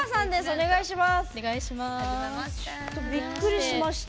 お願いします。